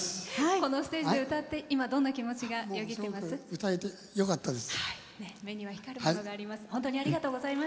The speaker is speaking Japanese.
このステージで歌って今、どんな気持ちが歌えてよかったです。